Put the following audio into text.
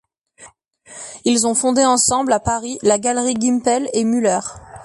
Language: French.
Ils ont fondé ensemble À Paris, la Galerie Gimpel & Müller.